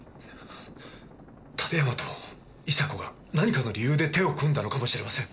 館山と伊沙子が何かの理由で手を組んだのかもしれません。